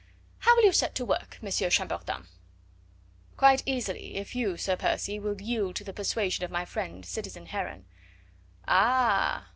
"How will you set to work, Monsieur Chambertin?" "Quite easily, if you, Sir Percy, will yield to the persuasion of my friend citizen Heron." "Ah!"